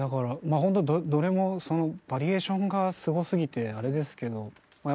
まあほんとどれもバリエーションがすごすぎてあれですけどま